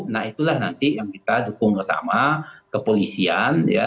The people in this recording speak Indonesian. nah itulah nanti yang kita dukung bersama kepolisian